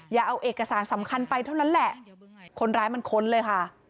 อย่าเอาเอกสารสำคัญไปเท่านั้นแหละคนร้ายมันค้นเลยค่ะ